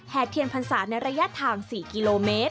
แห่เทียนพันศาสตร์ในระยะทาง๔กิโลเมตร